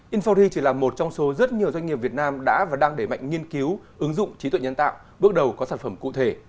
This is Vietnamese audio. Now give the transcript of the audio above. infori chỉ là một trong số rất nhiều doanh nghiệp việt nam đã và đang để mạnh nghiên cứu ứng dụng trí tuệ nhân tạo bước đầu có sản phẩm cụ thể